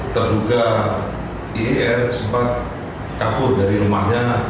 terduga iir sempat kabur dari rumahnya